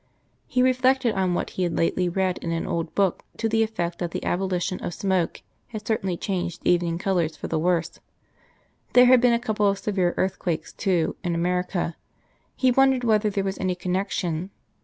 He reflected on what he had lately read in an old book to the effect that the abolition of smoke had certainly changed evening colours for the worse.... There had been a couple of severe earthquakes, too, in America he wondered whether there was any connection....